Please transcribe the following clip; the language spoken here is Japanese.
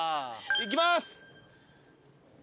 いきます！